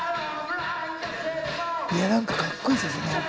いやなんかかっこいいですよ